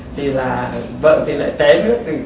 thì là vợ thì lại té nước